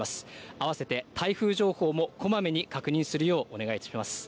合わせて台風情報もこまめに確認するようお願いします。